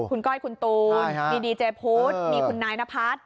คุณก้อยคุณตูนมีดีเจพุทธมีคุณนายนพัฒน์